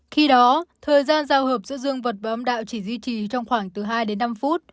khi đó thời gian giao hợp giữa dương vật và âm đạo chỉ duy trì trong khoảng từ hai đến năm phút